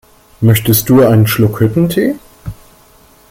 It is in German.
Möchtest du einen Schluck Hüttentee?